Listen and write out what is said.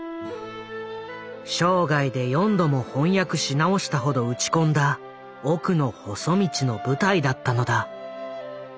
生涯で４度も翻訳し直したほど打ち込んだ「おくのほそ道」の舞台だったのだ。